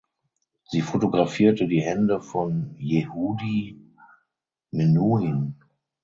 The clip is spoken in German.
Sie fotografierte die Hände von Yehudi Menuhin.